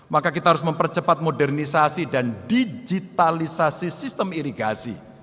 maka kita harus mempercepat modernisasi dan digitalisasi sistem irigasi